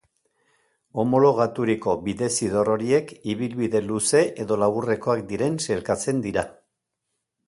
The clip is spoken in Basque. Homologaturiko bidezidor horiek ibilbide luze edo laburrekoak diren sailkatzen dira.